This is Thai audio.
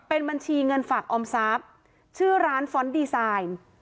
เป็นบัญชีเงินฝากออมทรัพย์ชื่อร้านฟ้อนต์ดีไซน์